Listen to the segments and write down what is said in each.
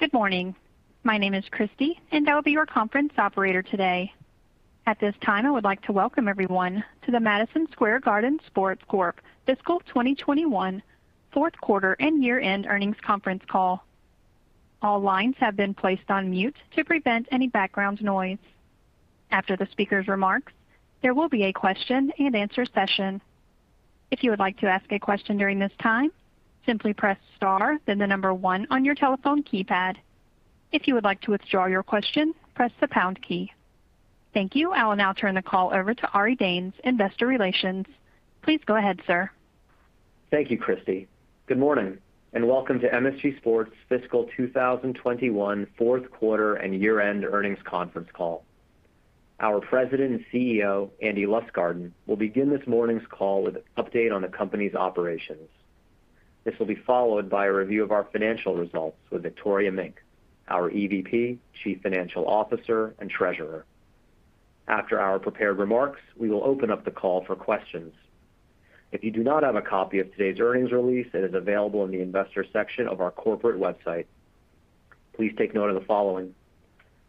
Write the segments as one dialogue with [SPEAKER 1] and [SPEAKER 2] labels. [SPEAKER 1] Good morning. My name is Christy, and I will be your conference operator today. At this time, I would like to welcome everyone to the Madison Square Garden Sports Corp fiscal 2021 fourth quarter and year-end earnings conference call. All lines have been placed on mute to prevent any background noise. After the speaker's remarks, there will be a question and answer session. If you would like to ask a question during this time, simply press star then the number one on your telephone keypad. If you would like to withdraw your question, press the pound key. Thank you. I will now turn the call over to Ari Danes, Investor Relations. Please go ahead, sir.
[SPEAKER 2] Thank you, Christy. Good morning, and welcome to MSG Sports fiscal 2021 fourth quarter and year-end earnings conference call. Our President and CEO, Andy Lustgarten, will begin this morning's call with an update on the company's operations. This will be followed by a review of our financial results with Victoria Mink, our EVP, Chief Financial Officer, and Treasurer. After our prepared remarks, we will open up the call for questions. If you do not have a copy of today's earnings release, it is available in the investor section of our corporate website. Please take note of the following.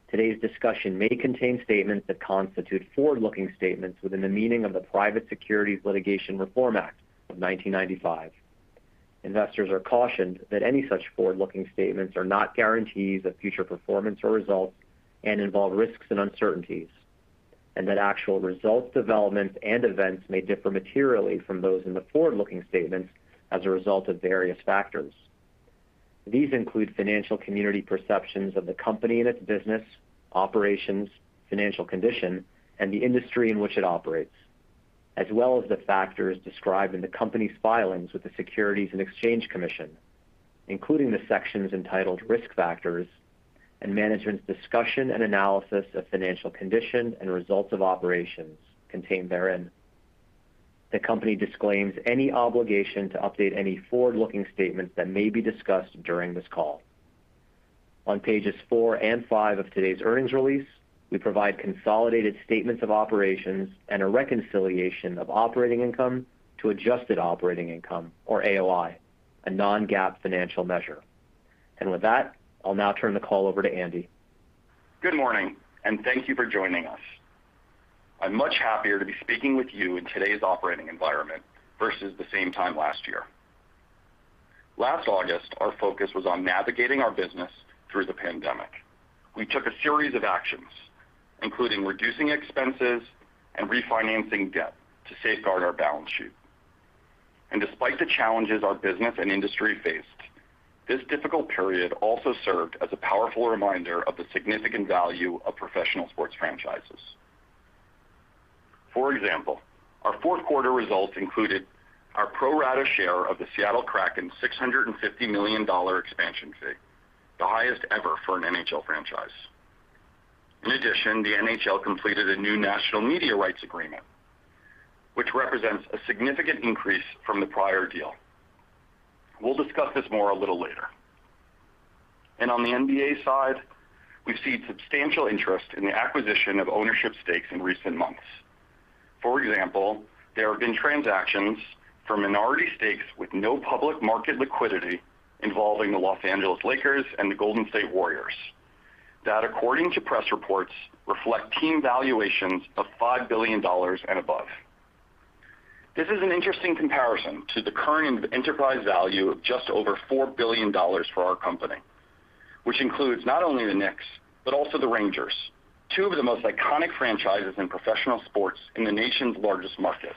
[SPEAKER 2] Today's discussion may contain statements that constitute forward-looking statements within the meaning of the Private Securities Litigation Reform Act of 1995. Investors are cautioned that any such forward-looking statements are not guarantees of future performance or results and involve risks and uncertainties, and that actual results, developments, and events may differ materially from those in the forward-looking statements as a result of various factors. These include financial community perceptions of the company and its business, operations, financial condition, and the industry in which it operates, as well as the factors described in the company's filings with the Securities and Exchange Commission, including the sections entitled Risk Factors and Management's Discussion and Analysis of Financial Condition and Results of Operations contained therein. The company disclaims any obligation to update any forward-looking statements that may be discussed during this call. On pages four and five of today's earnings release, we provide consolidated statements of operations and a reconciliation of operating income to adjusted operating income, or AOI, a non-GAAP financial measure. With that, I'll now turn the call over to Andy.
[SPEAKER 3] Good morning, and thank you for joining us. I'm much happier to be speaking with you in today's operating environment versus the same time last year. Last August, our focus was on navigating our business through the pandemic. We took a series of actions, including reducing expenses and refinancing debt to safeguard our balance sheet. Despite the challenges our business and industry faced, this difficult period also served as a powerful reminder of the significant value of professional sports franchises. For example, our fourth quarter results included our pro rata share of the Seattle Kraken's $650 million expansion fee, the highest ever for an NHL franchise. In addition, the NHL completed a new national media rights agreement, which represents a significant increase from the prior deal. We'll discuss this more a little later. On the NBA side, we've seen substantial interest in the acquisition of ownership stakes in recent months. For example, there have been transactions for minority stakes with no public market liquidity involving the Los Angeles Lakers and the Golden State Warriors that, according to press reports, reflect team valuations of $5 billion and above. This is an interesting comparison to the current enterprise value of just over $4 billion for our company, which includes not only the Knicks but also the Rangers, two of the most iconic franchises in professional sports in the nation's largest market.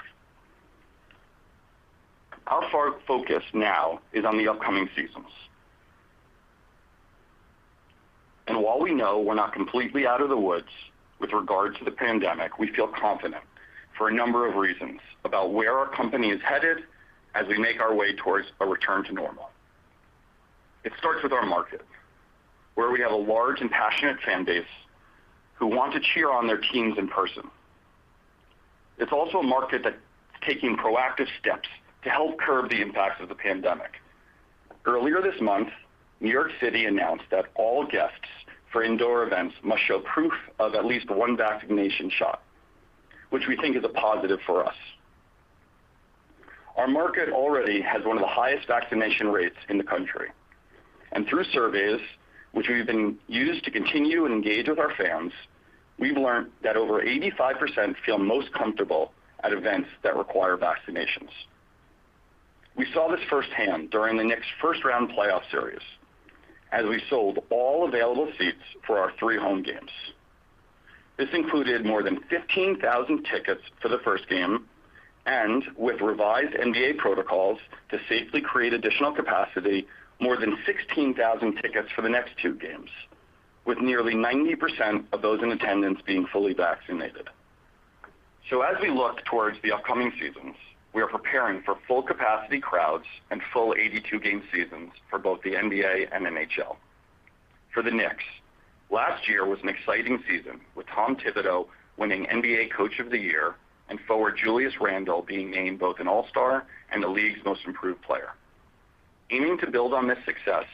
[SPEAKER 3] Our focus now is on the upcoming seasons. While we know we're not completely out of the woods with regard to the pandemic, we feel confident for a number of reasons about where our company is headed as we make our way towards a return to normal. It starts with our market, where we have a large and passionate fan base who want to cheer on their teams in person. It's also a market that's taking proactive steps to help curb the impacts of the pandemic. Earlier this month, New York City announced that all guests for indoor events must show proof of at least one vaccination shot, which we think is a positive for us. Our market already has one of the highest vaccination rates in the country. Through surveys, which we've been used to continue to engage with our fans, we've learned that over 85% feel most comfortable at events that require vaccinations. We saw this firsthand during the Knicks' first-round playoff series, as we sold all available seats for our three home games. This included more than 15,000 tickets for the first game and, with revised NBA protocols to safely create additional capacity, more than 16,000 tickets for the next two games, with nearly 90% of those in attendance being fully vaccinated. As we look towards the upcoming seasons, we are preparing for full capacity crowds and full 82-game seasons for both the NBA and NHL. For the Knicks, last year was an exciting season, with Tom Thibodeau winning NBA Coach of the Year and forward Julius Randle being named both an All-Star and the league's Most Improved Player. Aiming to build on this success,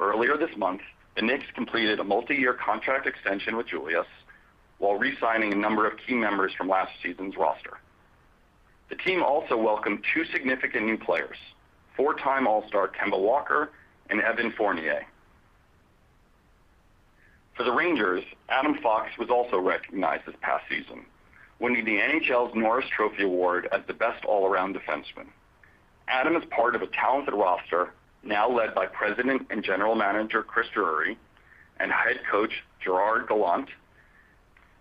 [SPEAKER 3] earlier this month, the Knicks completed a multi-year contract extension with Julius while re-signing a number of key members from last season's roster. The team also welcomed two significant new players, four-time All-Star Kemba Walker and Evan Fournier. For the Rangers, Adam Fox was also recognized this past season, winning the NHL's Norris Trophy Award as the best all-around defenseman. Adam is part of a talented roster now led by President and General Manager Chris Drury and Head Coach Gerard Gallant.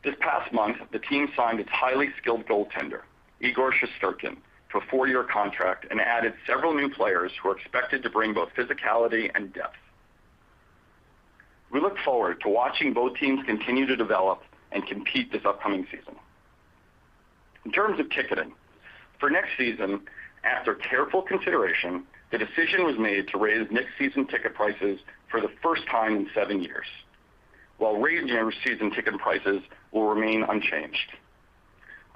[SPEAKER 3] This past month, the team signed its highly skilled goaltender, Igor Shesterkin, to a four-year contract and added several new players who are expected to bring both physicality and depth. We look forward to watching both teams continue to develop and compete this upcoming season. In terms of ticketing, for next season, after careful consideration, the decision was made to raise next season ticket prices for the first time in seven years, while Rangers' season ticket prices will remain unchanged.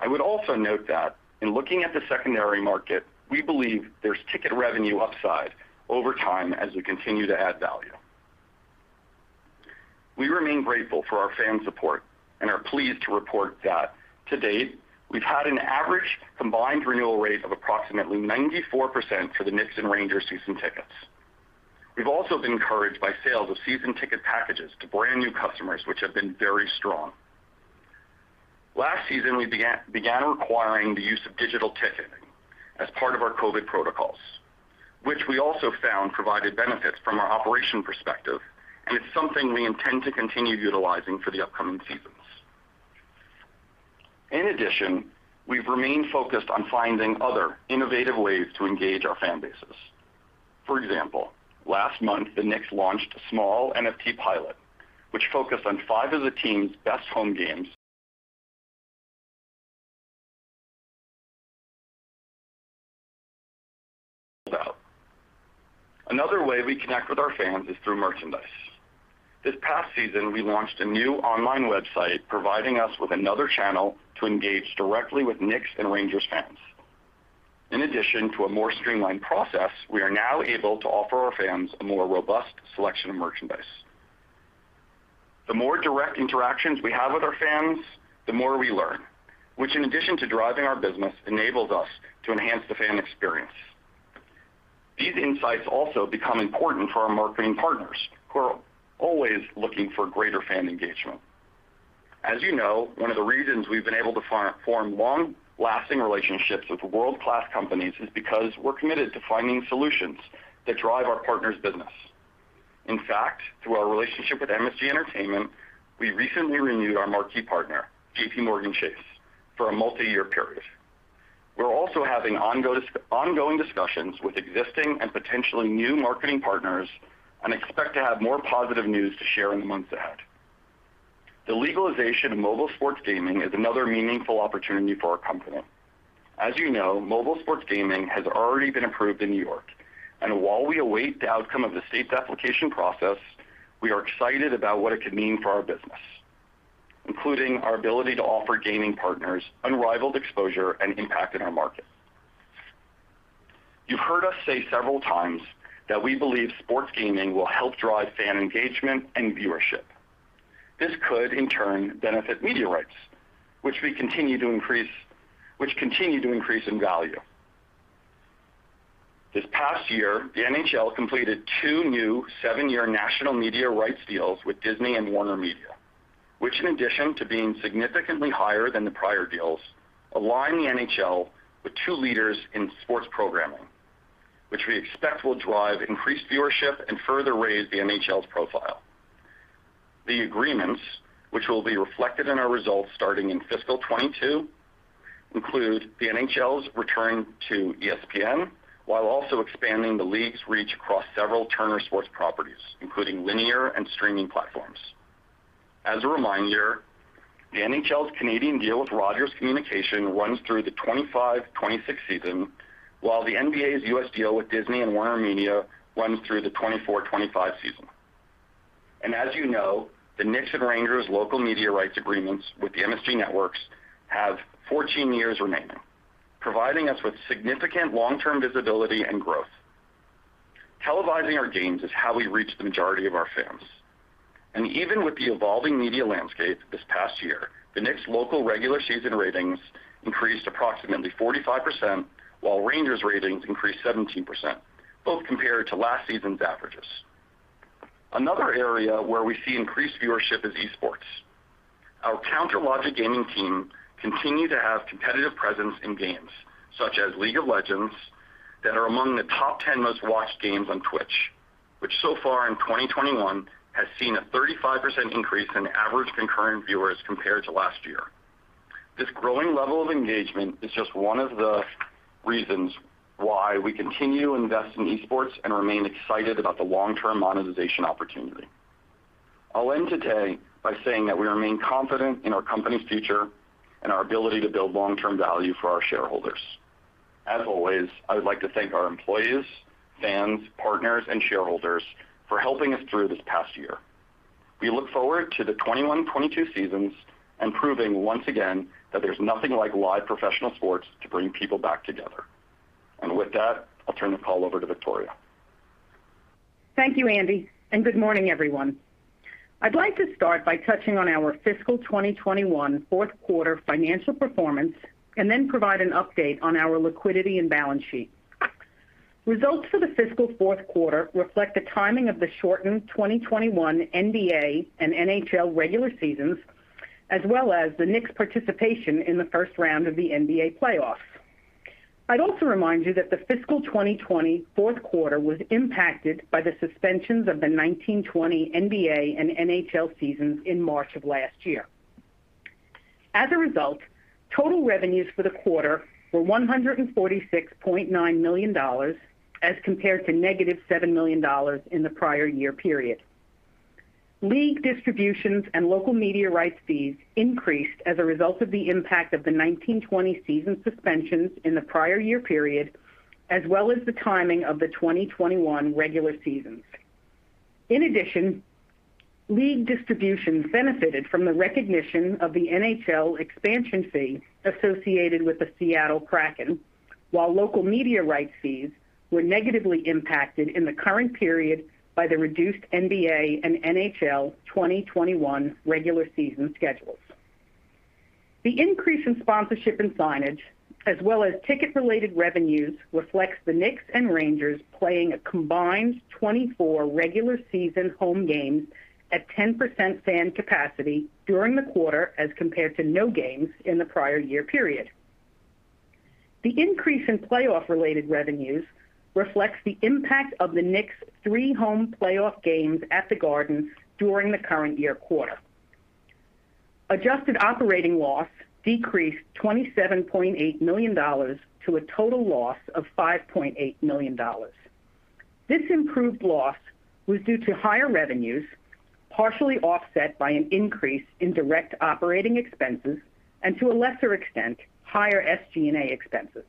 [SPEAKER 3] I would also note that in looking at the secondary market, we believe there's ticket revenue upside over time as we continue to add value. We remain grateful for our fans' support and are pleased to report that to date, we've had an average combined renewal rate of approximately 94% for the Knicks and Rangers season tickets. We've also been encouraged by sales of season ticket packages to brand-new customers, which have been very strong. Last season, we began requiring the use of digital ticketing as part of our COVID protocols, which we also found provided benefits from our operation perspective, and it's something we intend to continue utilizing for the upcoming seasons. In addition, we've remained focused on finding other innovative ways to engage our fan bases. For example, last month, the Knicks launched a small NFT pilot, which focused on five of the team's best home games. Another way we connect with our fans is through merchandise. This past season, we launched a new online website providing us with another channel to engage directly with Knicks and Rangers fans. In addition to a more streamlined process, we are now able to offer our fans a more robust selection of merchandise. The more direct interactions we have with our fans, the more we learn, which in addition to driving our business, enables us to enhance the fan experience. These insights also become important for our marketing partners, who are always looking for greater fan engagement. As you know, one of the reasons we've been able to form long-lasting relationships with world-class companies is because we're committed to finding solutions that drive our partners' business. In fact, through our relationship with MSG Entertainment, we recently renewed our marquee partner, JPMorgan Chase, for a multiyear period. We're also having ongoing discussions with existing and potentially new marketing partners and expect to have more positive news to share in the months ahead. The legalization of mobile sports gaming is another meaningful opportunity for our company. As you know, mobile sports gaming has already been approved in New York, and while we await the outcome of the state's application process, we are excited about what it could mean for our business, including our ability to offer gaming partners unrivaled exposure and impact in our market. You've heard us say several times that we believe sports gaming will help drive fan engagement and viewership. This could, in turn, benefit media rights, which continue to increase in value. This past year, the NHL completed two new seven-year national media rights deals with Disney and WarnerMedia, which in addition to being significantly higher than the prior deals, align the NHL with two leaders in sports programming, which we expect will drive increased viewership and further raise the NHL's profile. The agreements, which will be reflected in our results starting in fiscal 2022, include the NHL's return to ESPN, while also expanding the league's reach across several Turner Sports properties, including linear and streaming platforms. As a reminder, the NHL's Canadian deal with Rogers Communications runs through the 2025-2026 season, while the NBA's U.S. deal with Disney and WarnerMedia runs through the 2024-2025 season. As you know, the Knicks and Rangers local media rights agreements with the MSG Networks have 14 years remaining, providing us with significant long-term visibility and growth. Televising our games is how we reach the majority of our fans. Even with the evolving media landscape this past year, the Knicks' local regular season ratings increased approximately 45%, while Rangers ratings increased 17%, both compared to last season's averages. Another area where we see increased viewership is esports. Our Counter Logic Gaming team continue to have competitive presence in games such as League of Legends that are among the 10 most-watched games on Twitch, which so far in 2021 has seen a 35% increase in average concurrent viewers compared to last year. This growing level of engagement is just one of the reasons why we continue to invest in esports and remain excited about the long-term monetization opportunity. I'll end today by saying that we remain confident in our company's future and our ability to build long-term value for our shareholders. As always, I would like to thank our employees, fans, partners, and shareholders for helping us through this past year. We look forward to the 2021-2022 seasons and proving once again that there's nothing like live professional sports to bring people back together. With that, I'll turn the call over to Victoria.
[SPEAKER 4] Thank you, Andy, and good morning, everyone. I'd like to start by touching on our fiscal 2021 fourth quarter financial performance, and then provide an update on our liquidity and balance sheet. Results for the fiscal fourth quarter reflect the timing of the shortened 2021 NBA and NHL regular seasons, as well as the Knicks' participation in the first round of the NBA playoffs. I'd also remind you that the fiscal 2020 fourth quarter was impacted by the suspensions of the 2019-2020 NBA and NHL seasons in March of last year. Total revenues for the quarter were $146.9 million as compared to -$7 million in the prior year period. League distributions and local media rights fees increased as a result of the impact of the 2019-2020 season suspensions in the prior year period, as well as the timing of the 2021 regular seasons. In addition, league distributions benefited from the recognition of the NHL expansion fee associated with the Seattle Kraken, while local media rights fees were negatively impacted in the current period by the reduced NBA and NHL 2021 regular season schedules. The increase in sponsorship and signage, as well as ticket-related revenues, reflects the Knicks and Rangers playing a combined 24 regular-season home games at 10% fan capacity during the quarter, as compared to no games in the prior year period. The increase in playoff-related revenues reflects the impact of the Knicks' three home playoff games at the Garden during the current year quarter. Adjusted operating loss decreased $27.8 million to a total loss of $5.8 million. This improved loss was due to higher revenues, partially offset by an increase in direct operating expenses, and to a lesser extent, higher SG&A expenses.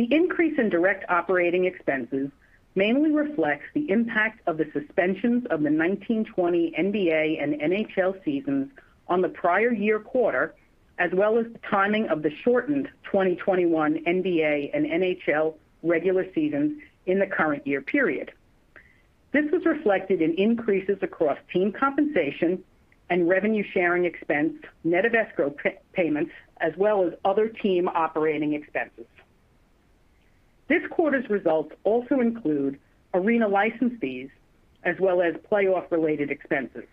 [SPEAKER 4] The increase in direct operating expenses mainly reflects the impact of the suspensions of the 2019-2020 NBA and NHL seasons on the prior year quarter, as well as the timing of the shortened 2021 NBA and NHL regular seasons in the current year period. This was reflected in increases across team compensation and revenue sharing expense, net of escrow payments, as well as other team operating expenses. This quarter's results also include arena license fees, as well as playoff-related expenses.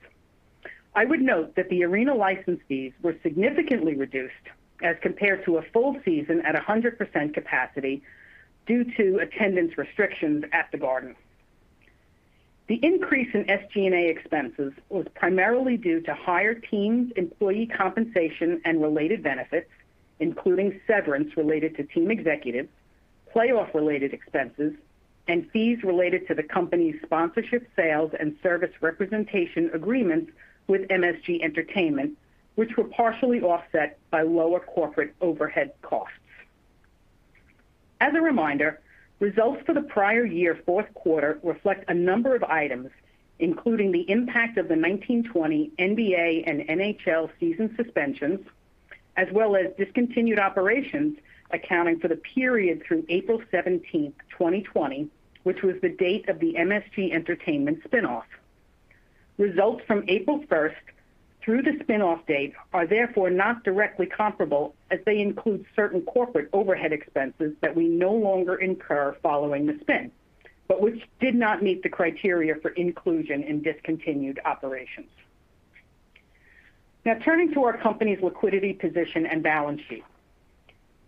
[SPEAKER 4] I would note that the arena license fees were significantly reduced as compared to a full season at 100% capacity due to attendance restrictions at the Garden. The increase in SG&A expenses was primarily due to higher teams' employee compensation and related benefits, including severance related to team executives, playoff-related expenses, and fees related to the company's sponsorship, sales, and service representation agreements with MSG Entertainment, which were partially offset by lower corporate overhead costs. As a reminder, results for the prior year fourth quarter reflect a number of items, including the impact of the 2019-2020 NBA and NHL season suspensions, as well as discontinued operations accounting for the period through April 17th, 2020, which was the date of the MSG Entertainment spin-off. Results from April 1st through the spin-off date are therefore not directly comparable as they include certain corporate overhead expenses that we no longer incur following the spin, but which did not meet the criteria for inclusion in discontinued operations. Turning to our company's liquidity position and balance sheet.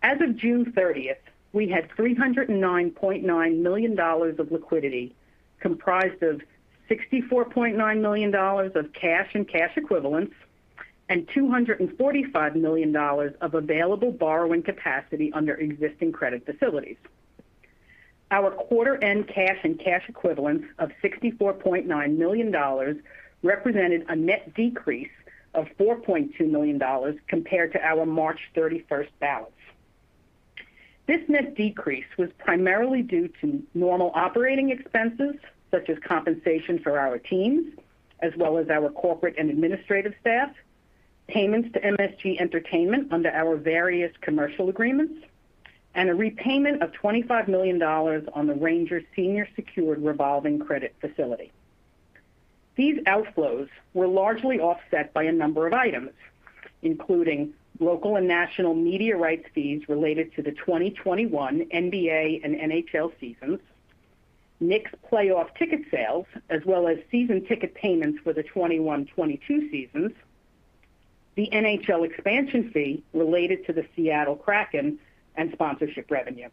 [SPEAKER 4] As of June 30th, we had $309.9 million of liquidity, comprised of $64.9 million of cash and cash equivalents, and $245 million of available borrowing capacity under existing credit facilities. Our quarter-end cash and cash equivalents of $64.9 million represented a net decrease of $4.2 million compared to our March 31st balance. This net decrease was primarily due to normal operating expenses, such as compensation for our teams, as well as our corporate and administrative staff, payments to MSG Entertainment under our various commercial agreements, and a repayment of $25 million on the Rangers' senior secured revolving credit facility. These outflows were largely offset by a number of items, including local and national media rights fees related to the 2021 NBA and NHL seasons, Knicks playoff ticket sales, as well as season ticket payments for the 2021-2022 seasons, the NHL expansion fee related to the Seattle Kraken, and sponsorship revenue.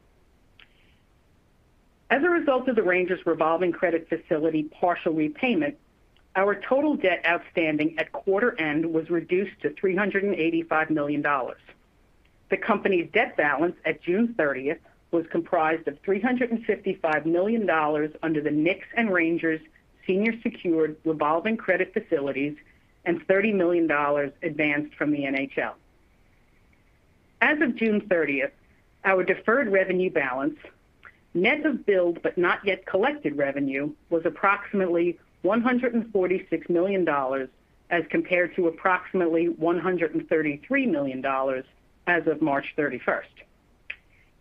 [SPEAKER 4] As a result of the Rangers' revolving credit facility partial repayment, our total debt outstanding at quarter end was reduced to $385 million. The company's debt balance at June 30th was comprised of $355 million under the Knicks and Rangers' senior secured revolving credit facilities, and $30 million advanced from the NHL. As of June 30th, our deferred revenue balance, net of billed but not yet collected revenue, was approximately $146 million as compared to approximately $133 million as of March 31st.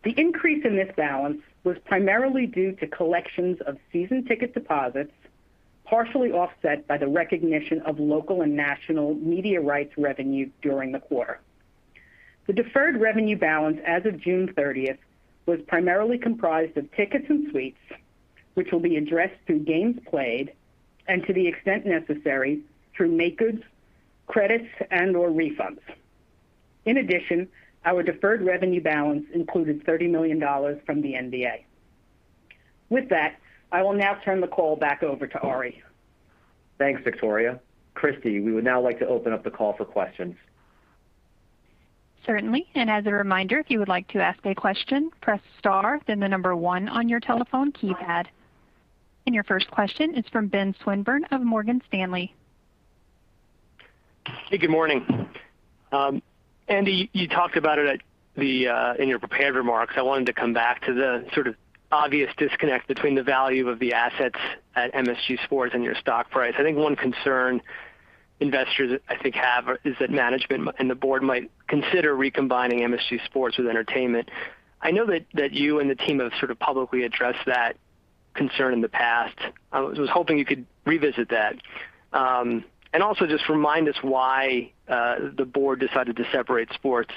[SPEAKER 4] The increase in this balance was primarily due to collections of season ticket deposits, partially offset by the recognition of local and national media rights revenue during the quarter. The deferred revenue balance as of June 30th was primarily comprised of tickets and suites, which will be addressed through games played, and to the extent necessary, through makegoods, credits, and/or refunds. Our deferred revenue balance included $30 million from the NBA. With that, I will now turn the call back over to Ari.
[SPEAKER 2] Thanks, Victoria. Christy, we would now like to open up the call for questions.
[SPEAKER 1] Certainly. As a reminder, if you would like to ask a question, press star then the number one on your telephone keypad. Your first question is from Ben Swinburne of Morgan Stanley.
[SPEAKER 5] Hey, good morning. Andy, you talked about it in your prepared remarks. I wanted to come back to the sort of obvious disconnect between the value of the assets at MSG Sports and your stock price. I think one concern investors, I think, have is that management and the board might consider recombining MSG Sports with Entertainment. I know that you and the team have sort of publicly addressed that concern in the past. I was hoping you could revisit that. Also just remind us why the Board decided to separate sports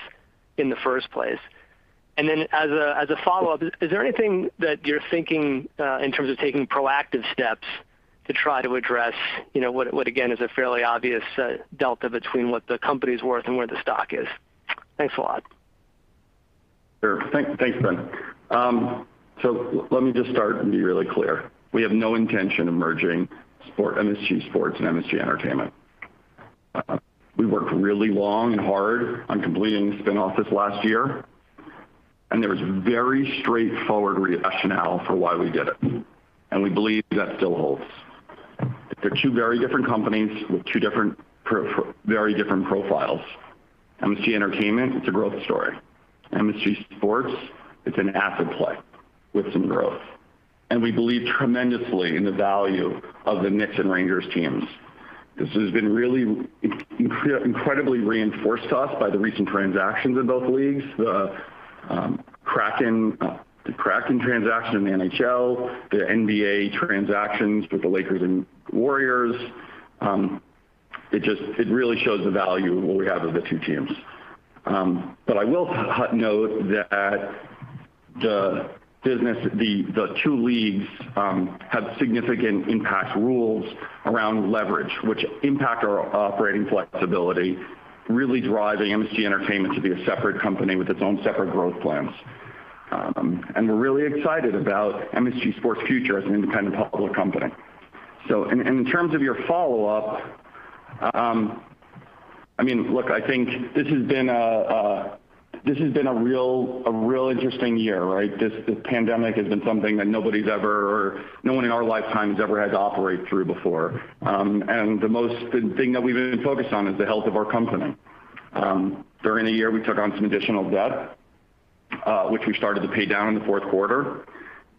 [SPEAKER 5] in the first place. Then as a follow-up, is there anything that you're thinking in terms of taking proactive steps to try to address what, again, is a fairly obvious delta between what the company's worth and where the stock is? Thanks a lot.
[SPEAKER 3] Sure. Thanks, Ben. Let me just start and be really clear. We have no intention of merging MSG Sports and MSG Entertainment. We worked really long and hard on completing the spin-off this last year, and there was very straightforward rationale for why we did it, and we believe that still holds. They're two very different companies with very different profiles. MSG Entertainment, it's a growth story. MSG Sports, it's an asset play with some growth. We believe tremendously in the value of the Knicks and Rangers teams. This has been really incredibly reinforced to us by the recent transactions in both leagues. The Kraken transaction in the NHL, the NBA transactions with the Lakers and Warriors. It really shows the value of what we have with the two teams. I will note that the two leagues have significant impact rules around leverage, which impact our operating flexibility, really driving MSG Entertainment to be a separate company with its own separate growth plans. We're really excited about MSG Sports' future as an independent public company. In terms of your follow-up, look, I think this has been a real interesting year, right? This pandemic has been something that nobody's ever, or no one in our lifetime has ever had to operate through before. The most thing that we've been focused on is the health of our company. During the year, we took on some additional debt, which we started to pay down in the fourth quarter.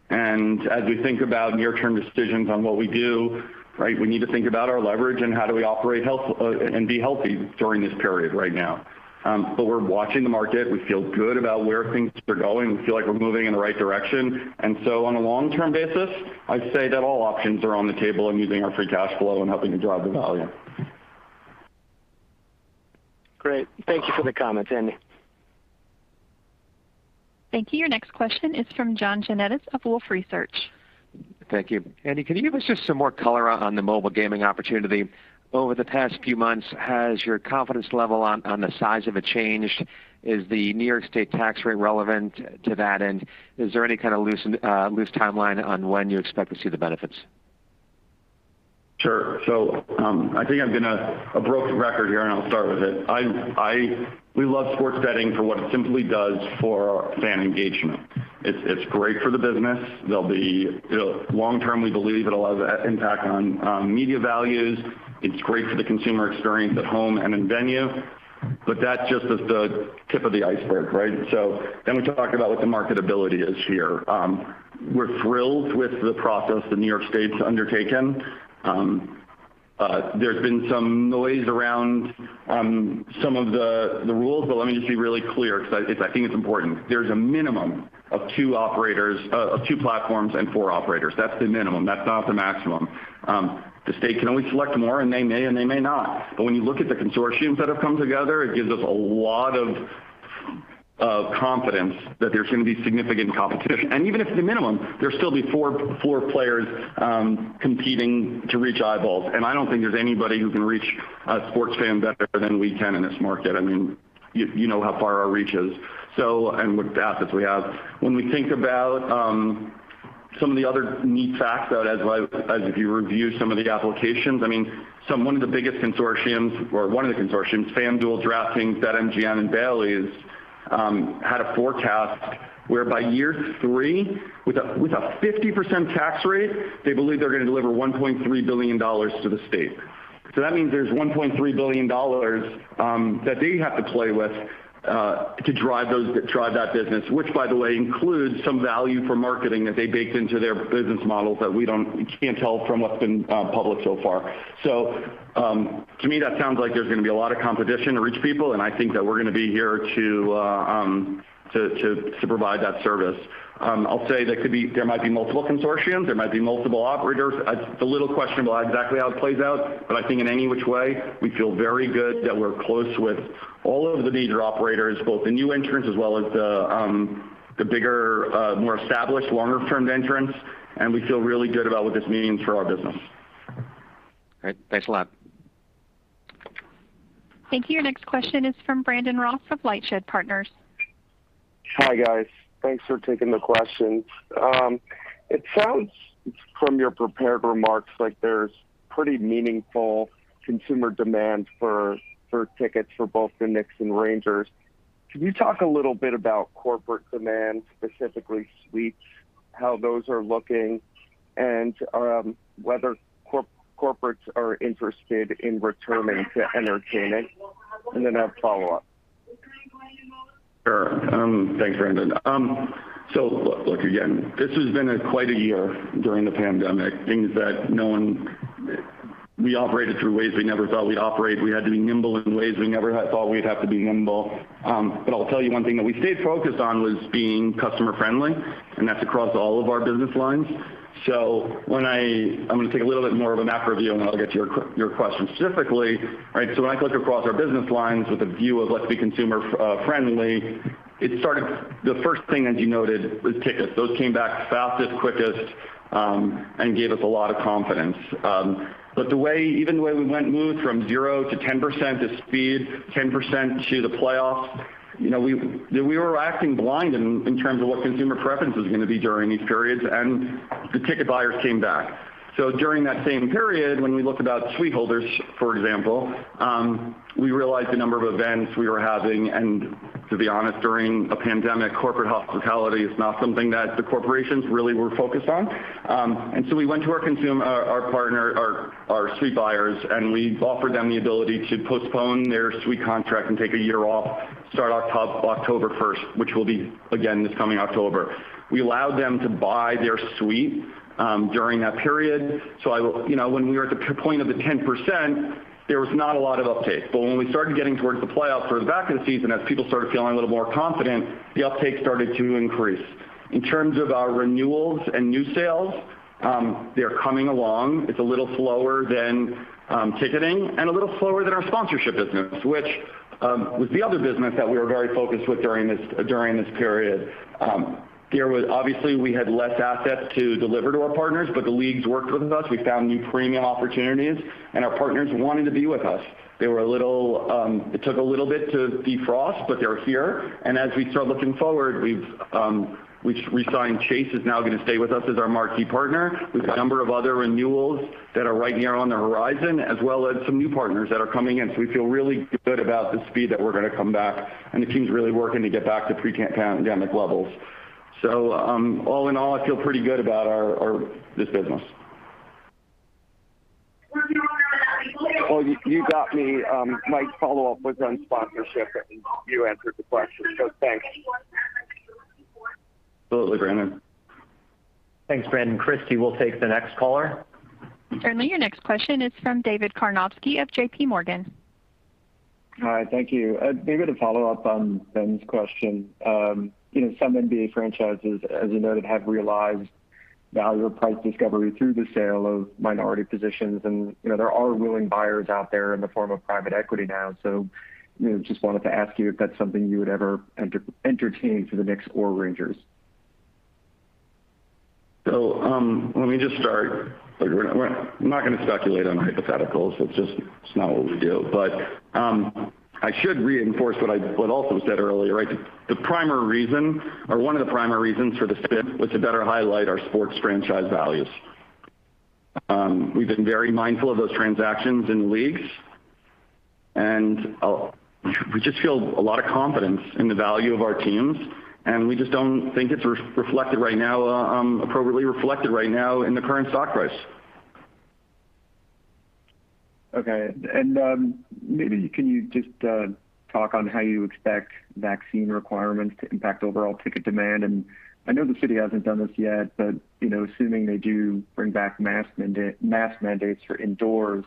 [SPEAKER 3] As we think about near-term decisions on what we do, we need to think about our leverage and how do we operate and be healthy during this period right now. We're watching the market. We feel good about where things are going. We feel like we're moving in the right direction. On a long-term basis, I'd say that all options are on the table and using our free cash flow and helping to drive the value.
[SPEAKER 5] Great. Thank you for the comments, Andy.
[SPEAKER 1] Thank you. Your next question is from John Janedis of Wolfe Research.
[SPEAKER 6] Thank you. Andy, can you give us just some more color on the mobile gaming opportunity? Over the past few months, has your confidence level on the size of it changed? Is the New York State tax rate relevant to that? Is there any kind of loose timeline on when you expect to see the benefits?
[SPEAKER 3] Sure. I think I'm going to a broken record here, and I'll start with it. We love sports betting for what it simply does for our fan engagement. It's great for the business. Long-term, we believe it'll have an impact on media values. It's great for the consumer experience at home and in venue, that just is the tip of the iceberg, right? We talk about what the marketability is here. We're thrilled with the process that New York State's undertaken. There's been some noise around some of the rules, let me just be really clear because I think it's important. There's a minimum of two platforms and four operators. That's the minimum. That's not the maximum. The state can always select more, they may, and they may not. When you look at the consortiums that have come together, it gives us a lot of confidence that there's going to be significant competition. Even if it's the minimum, there'll still be four players competing to reach eyeballs, and I don't think there's anybody who can reach a sports fan better than we can in this market. You know how far our reach is and what assets we have. When we think about some of the other neat facts, though, as if you review some of the applications, one of the consortiums, FanDuel, DraftKings, BetMGM, and Bally's, had a forecast where by year three, with a 50% tax rate, they believe they're going to deliver $1.3 billion to the state. That means there's $1.3 billion that they have to play with to drive that business, which by the way, includes some value for marketing that they baked into their business models that we can't tell from what's been public so far. To me, that sounds like there's going to be a lot of competition to reach people, and I think that we're going to be here to provide that service. I'll say there might be multiple consortiums, there might be multiple operators. It's a little questionable exactly how it plays out, but I think in any which way, we feel very good that we're close with all of the major operators, both the new entrants as well as the bigger, more established, longer-term entrants, and we feel really good about what this means for our business.
[SPEAKER 6] Great. Thanks a lot.
[SPEAKER 1] Thank you. Your next question is from Brandon Ross of LightShed Partners.
[SPEAKER 7] Hi, guys. Thanks for taking the questions. It sounds from your prepared remarks like there's pretty meaningful consumer demand for tickets for both the Knicks and Rangers. Can you talk a little bit about corporate demand, specifically suites, how those are looking, and whether corporates are interested in returning to entertaining? Then I have follow-up.
[SPEAKER 3] Sure. Thanks, Brandon. Look, again, this has been quite a year during the pandemic. We operated through ways we never thought we'd operate. We had to be nimble in ways we never had thought we'd have to be nimble. I'll tell you one thing that we stayed focused on was being customer friendly, and that's across all of our business lines. I'm going to take a little bit more of a macro review, and then I'll get to your question specifically. When I look across our business lines with a view of let's be consumer friendly, the first thing, as you noted, was tickets. Those came back fastest, quickest, and gave us a lot of confidence. Even the way we went and moved from 0% to 10% to speed, 10% to the playoffs, we were acting blind in terms of what consumer preference was going to be during these periods, and the ticket buyers came back. During that same period, when we looked about suite holders, for example, we realized the number of events we were having, and to be honest, during a pandemic, corporate hospitality is not something that the corporations really were focused on. We went to our suite buyers, and we offered them the ability to postpone their suite contract and take a year off, start October 1st, which will be again this coming October. We allowed them to buy their suite during that period. When we were at the point of the 10%, there was not a lot of uptake. When we started getting towards the playoffs towards the back of the season, as people started feeling a little more confident, the uptake started to increase. In terms of our renewals and new sales, they're coming along. It's a little slower than ticketing and a little slower than our sponsorship business, which was the other business that we were very focused with during this period. Obviously, we had less assets to deliver to our partners, but the leagues worked with us. We found new premium opportunities, and our partners wanted to be with us. It took a little bit to defrost, but they're here. As we start looking forward, we've resigned Chase is now going to stay with us as our marquee partner. We've got a number of other renewals that are right here on the horizon, as well as some new partners that are coming in. We feel really good about the speed that we're going to come back, and the team's really working to get back to pre-pandemic levels. All in all, I feel pretty good about this business.
[SPEAKER 7] Well, you got me. My follow-up was on sponsorship, and you answered the question, so thanks.
[SPEAKER 3] Absolutely, Brandon.
[SPEAKER 2] Thanks, Brandon. Christy, we'll take the next caller.
[SPEAKER 1] Certainly. Your next question is from David Karnovsky of JPMorgan.
[SPEAKER 8] Hi, thank you. David, a follow-up on Ben's question. Some NBA franchises, as you noted, have realized value of price discovery through the sale of minority positions, and there are willing buyers out there in the form of private equity now. Just wanted to ask you if that's something you would ever entertain for the Knicks or Rangers.
[SPEAKER 3] Let me just start. I'm not going to speculate on hypotheticals. It's not what we do. I should reinforce what I also said earlier. The primary reason or one of the primary reasons for the spin was to better highlight our sports franchise values. We've been very mindful of those transactions in the leagues, and we just feel a lot of confidence in the value of our teams, and we just don't think it's appropriately reflected right now in the current stock price.
[SPEAKER 8] Okay. Maybe can you just talk on how you expect vaccine requirements to impact overall ticket demand? I know the city hasn't done this yet, but assuming they do bring back mask mandates for indoors,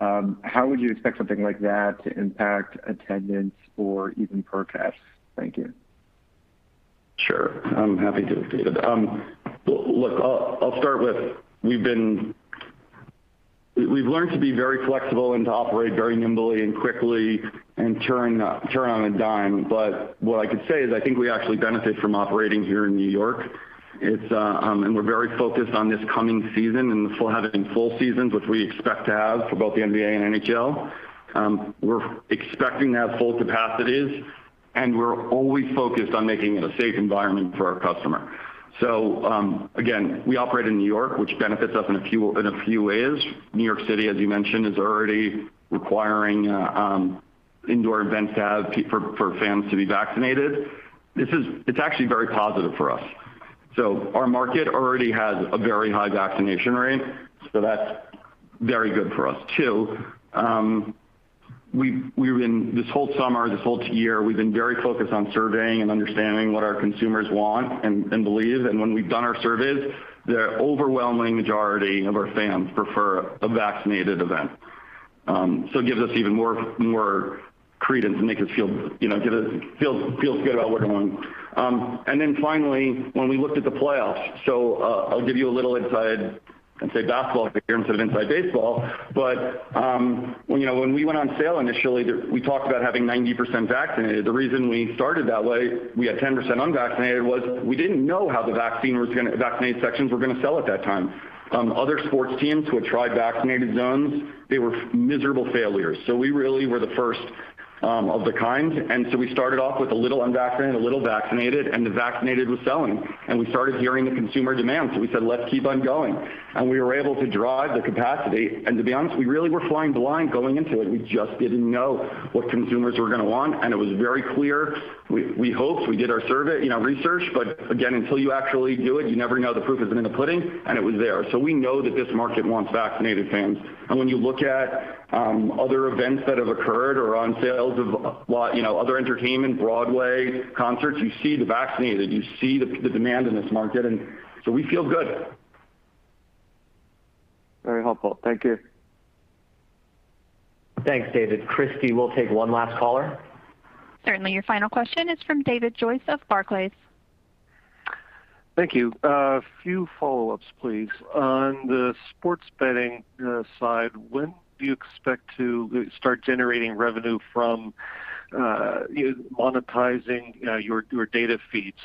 [SPEAKER 8] how would you expect something like that to impact attendance or even purchase? Thank you.
[SPEAKER 3] Sure. I am happy to. David. Look, I will start with, we have learned to be very flexible and to operate very nimbly and quickly and turn on a dime. What I could say is I think we actually benefit from operating here in New York. We are very focused on this coming season and having full seasons, which we expect to have for both the NBA and NHL. We are expecting to have full capacities, and we are always focused on making it a safe environment for our customer. Again, we operate in New York, which benefits us in a few ways. New York City, as you mentioned, is already requiring indoor events for fans to be vaccinated. It is actually very positive for us. Our market already has a very high vaccination rate, so that is very good for us too. This whole summer, this whole year, we've been very focused on surveying and understanding what our consumers want and believe. When we've done our surveys, the overwhelming majority of our fans prefer a vaccinated event. It gives us even more credence and makes us feel good about where we're going. Finally, when we looked at the playoffs, so I'll give you a little inside, I'd say basketball here instead of inside baseball. When we went on sale initially, we talked about having 90% vaccinated. The reason we started that way, we had 10% unvaccinated, was we didn't know how the vaccinated sections were going to sell at that time. Other sports teams who had tried vaccinated zones, they were miserable failures. We really were the first of the kind. We started off with a little unvaccinated, a little vaccinated, and the vaccinated was selling. We started hearing the consumer demand. We said, "Let's keep on going." We were able to drive the capacity. To be honest, we really were flying blind going into it. We just didn't know what consumers were going to want. It was very clear. We hoped, we did our survey, research, but again, until you actually do it, you never know the proof is in the pudding, and it was there. We know that this market wants vaccinated fans. When you look at other events that have occurred or on sales of other entertainment, Broadway, concerts, you see the vaccinated, you see the demand in this market. We feel good.
[SPEAKER 8] Very helpful. Thank you.
[SPEAKER 2] Thanks, David. Christy, we'll take one last caller.
[SPEAKER 1] Certainly. Your final question is from David Joyce of Barclays.
[SPEAKER 9] Thank you. A few follow-ups, please. On the sports betting side, when do you expect to start generating revenue from monetizing your data feeds,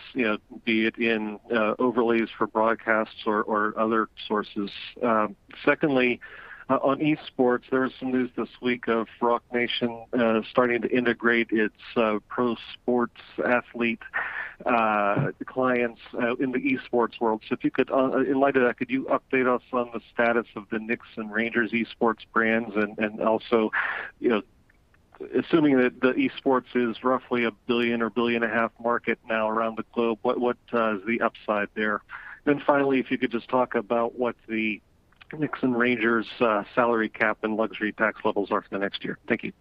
[SPEAKER 9] be it in overlays for broadcasts or other sources? Secondly, on esports, there was some news this week of Roc Nation starting to integrate its pro sports athlete clients in the esports world. In light of that, could you update us on the status of the Knicks and Rangers esports brands? Also, assuming that esports is roughly a $1 billion or $1.5 billion market now around the globe, what is the upside there? Finally, if you could just talk about what the Knicks and Rangers salary cap and luxury tax levels are for the next year. Thank you.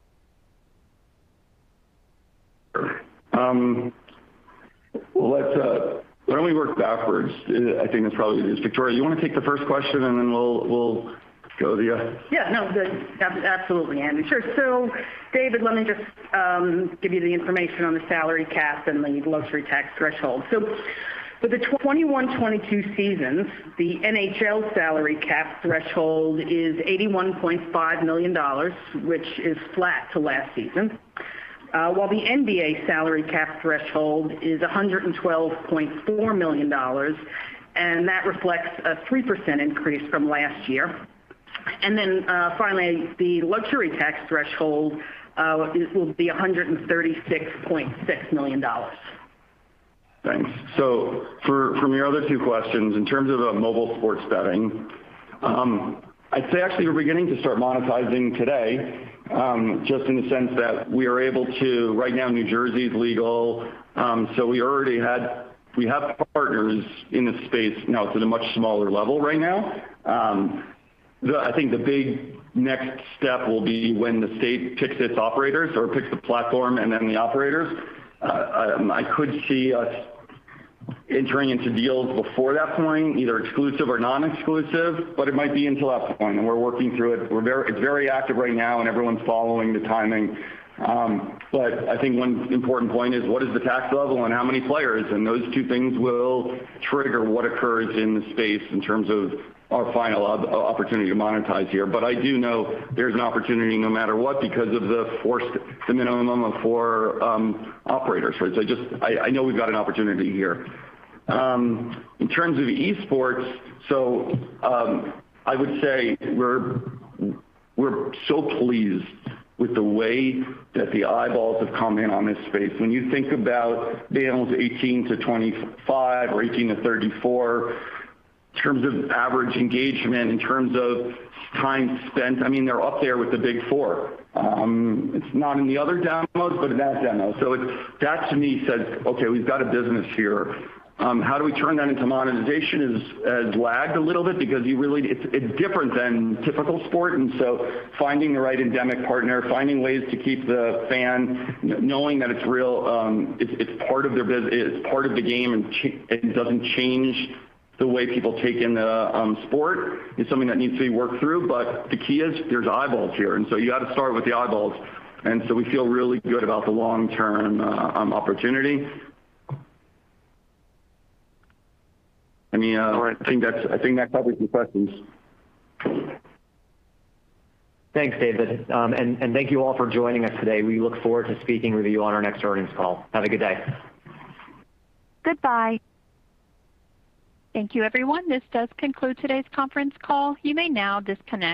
[SPEAKER 3] Why don't we work backwards? I think that's probably easiest. Victoria, you want to take the first question.
[SPEAKER 4] Yeah, no, good. Absolutely, Andy. Sure. David, let me just give you the information on the salary cap and the luxury tax threshold. For the 2021-2022 seasons, the NHL salary cap threshold is $81.5 million, which is flat to last season, while the NBA salary cap threshold is $112.4 million, and that reflects a 3% increase from last year. Finally, the luxury tax threshold will be $136.6 million.
[SPEAKER 3] Thanks. For your other two questions, in terms of a mobile sports betting, I'd say actually we're beginning to start monetizing today, just in the sense that we are able. Right now, New Jersey's legal, we have partners in the space now. It's at a much smaller level right now. I think the big next step will be when the state picks its operators or picks the platform and then the operators. I could see us entering into deals before that point, either exclusive or non-exclusive, it might be until that point, and we're working through it. It's very active right now, and everyone's following the timing. I think one important point is what is the tax level and how many players, and those two things will trigger what occurs in the space in terms of our final opportunity to monetize here. I do know there's an opportunity no matter what because of the forced minimum of four operators. I know we've got an opportunity here. In terms of esports, I would say we're so pleased with the way that the eyeballs have come in on this space. When you think about males 18-25 or 18-34, in terms of average engagement, in terms of time spent, they're up there with the big four. It's not in the other demos, but in that demo. That to me says, "Okay, we've got a business here." How do we turn that into monetization has lagged a little bit because it's different than typical sport, and so finding the right endemic partner, finding ways to keep the fan knowing that it's real, it's part of the game, and it doesn't change the way people take in the sport is something that needs to be worked through. The key is there's eyeballs here, and so you got to start with the eyeballs. We feel really good about the long-term opportunity. I think that covers your questions.
[SPEAKER 2] Thanks, David. Thank you all for joining us today. We look forward to speaking with you on our next earnings call. Have a good day.
[SPEAKER 1] Goodbye. Thank you, everyone. This does conclude today's conference call. You may now disconnect.